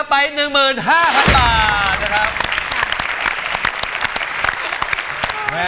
รับไป๑๕๐๐๐บาท